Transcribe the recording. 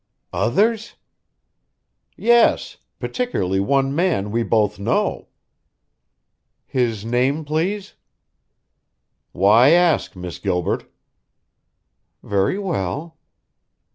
"Others?" "Yes particularly one man we both know." "His name, please?" "Why ask, Miss Gilbert?" "Very well."